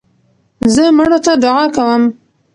زه مړو ته دؤعا کوم.